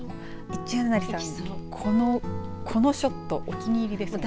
一柳さん、このショットお気に入りですね。